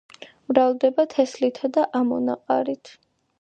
მრავლდება თესლითა და ამონაყარით.